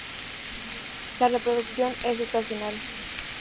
La reproducción es estacional.